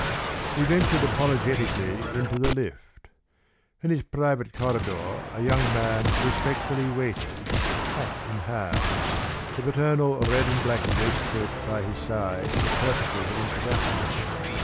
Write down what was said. He ventured apologetically into the lift. In his private corridor a young man respectfully waited, hat in hand, the paternal red and black waistcoat by his side for purposes of introduction.